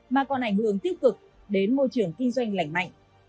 mà còn ảnh hưởng tiêu cực đến môi trường kinh doanh lành mạnh